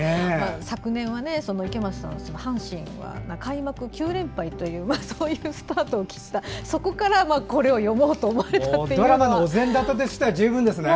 昨年、池松さんは阪神は開幕９連敗というそういうスタートを切ったそこからこれを詠もうとドラマのお膳立てとしては十分ですね。